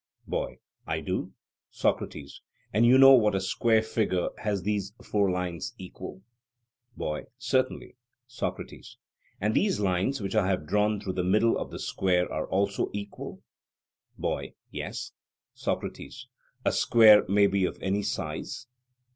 BOY: I do. SOCRATES: And you know that a square figure has these four lines equal? BOY: Certainly. SOCRATES: And these lines which I have drawn through the middle of the square are also equal? BOY: Yes. SOCRATES: A square may be of any size?